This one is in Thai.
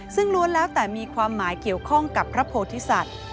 ซึ่งล้วนแล้วแต่มีความหมายเกี่ยวข้องกับพระโพธิสัตว์